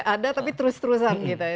ada tapi terus terusan gitu ya